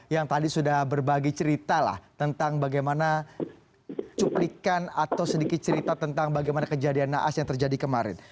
yang tadi sudah berbagi cerita lah tentang bagaimana cuplikan atau sedikit cerita tentang bagaimana kejadian naas yang terjadi kemarin